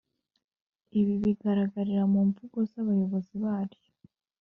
Ibi bigaragarira mu mvugo z abayobozi baryo